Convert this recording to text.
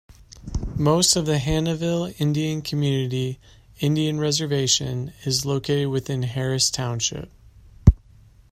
Most of the Hannahville Indian Community Indian reservation is located within Harris Township.